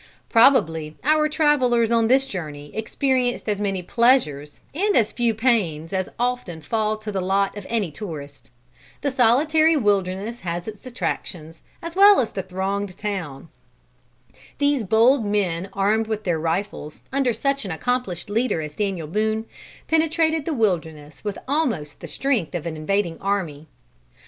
Probably our travelers on this journey experienced as many pleasures and as few pains as often fall to the lot of any tourist. The solitary wilderness has its attractions as well as the thronged town. These bold men armed with their rifles, under such an accomplished leader as Daniel Boone, penetrated the wilderness with almost the strength of an invading army.